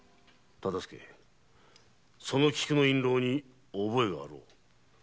その菊の印籠に覚えがあろう。